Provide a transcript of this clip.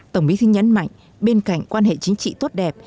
tổng bí thư nhấn mạnh bên cạnh quan hệ chính trị tốt đẹp